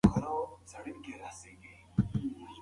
موږ بايد د خپلو مشرانو نصيحتونه په ياد ولرو.